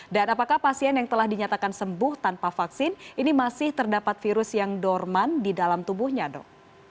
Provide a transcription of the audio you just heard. dan apakah pasien yang telah dinyatakan sembuh tanpa vaksin ini masih terdapat virus yang dorman di dalam tubuhnya dok